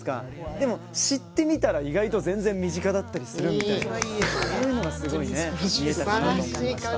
でも知ってみたら意外と全然身近だったりするみたいなそういうのがすごいね見えたのかなと思いました。